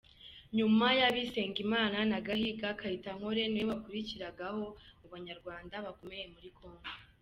Nyuma ya Bisengimana, na Gahiga, Kayitankore niwe wakurikiragaho mu banyarwanda bakomeye muri Congo.